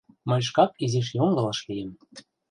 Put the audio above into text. Мый шкак изиш йоҥылыш лийым.